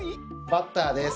バッターです。